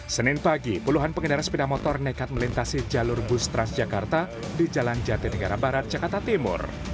senin pagi puluhan pengendara sepeda motor nekat melintasi jalur bus transjakarta di jalan jati negara barat jakarta timur